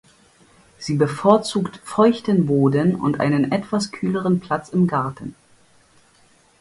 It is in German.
Sie bevorzugt feuchten Boden und einen etwas kühleren Platz im Garten.